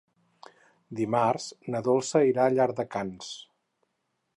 Dimarts na Dolça irà a Llardecans.